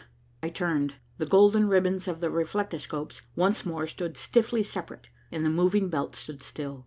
I turned. The golden ribbons of the reflectoscopes once more stood stiffly separate and the moving belt stood still.